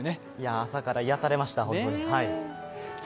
朝から癒やされました、本当に。